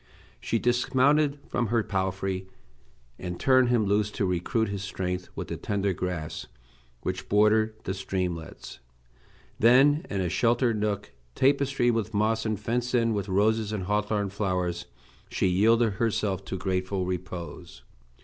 She dismounted from her palfrey, and turned him loose to recruit his strength with the tender grass which bordered the streamlets. Then, in a sheltered nook tapestried with moss and fenced in with roses and hawthorn flowers, she yielded herself to grateful repose.